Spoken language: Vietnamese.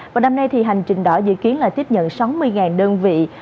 và năm nay thì hành trình đỏ dự kiến là tiếp nhận sáu mươi đơn vị